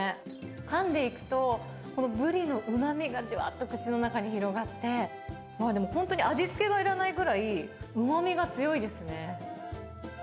かんでいくと、このブリのうまみがじゅわっと口の中に広がって、本当に味付けがいらないくらい、うまみが強いですね。